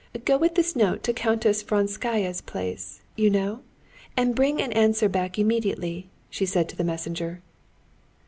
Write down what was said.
"Go with this note to Countess Vronskaya's place, you know? and bring an answer back immediately," she said to the messenger.